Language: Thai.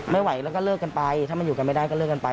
ไม่ไหวแล้วก็เลิกกันไปถ้ามันอยู่กันไม่ได้ก็เลิกกันไป